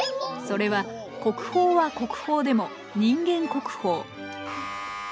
それは国宝は国宝でも人間国宝。